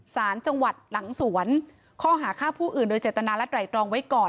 สารจังหวัดหลังสวนข้อหาฆ่าผู้อื่นโดยเจตนาและไหล่ตรองไว้ก่อน